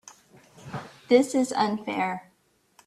This is unfair.